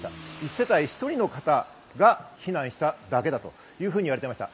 １世帯１人の方が避難しただけだというふうに言われていました。